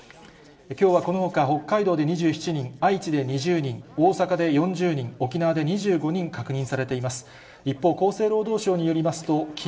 きょうはこのほか、北海道で２７人、愛知で２０人、大阪で４０人、沖縄で２５人確認されています。